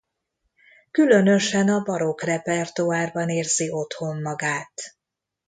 Különösen a barokk repertoárban érzi otthon magát.